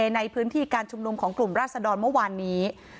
ในพื้นที่การชุมนุมของกลุ่มราศดรเมื่อวานนี้